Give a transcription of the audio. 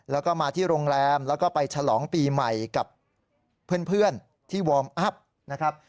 แล้วก็มาที่โรงแรมแล้วก็ไปฉลองปีใหม่กับเพื่อนที่วอร์มอัพนะครับ